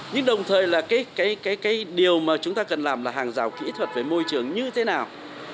nhưng đồng thời là cái điều mà chúng ta cần làm là hàng rào kỹ thuật về môi trường như thế nào